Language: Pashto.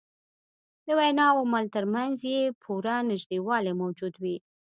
د وینا او عمل تر منځ یې پوره نژدېوالی موجود وي.